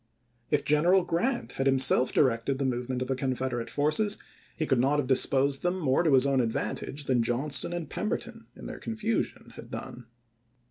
If General Grant had himself directed the move ment of the Confederate forces he could not have disposed them more to his own advantage than Johnston and Pemberton, in their confusion, had done.